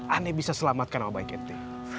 ane bisa selamatkan obaik ente